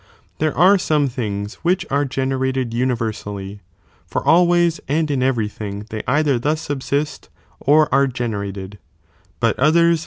There are some things which are generated j. ofihiBBi universally, (for always, and in every thing, they "Ji^^JJfi^' either thus subsist, or are generated,) but others buiuuBiir.